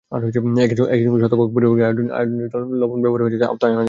একই সঙ্গে শতভাগ পরিবারকে আয়োডিনযুক্ত ভোজ্য লবণ ব্যবহারের আওতায় আনা হবে।